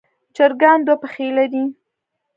چرګان دوه پښې لري.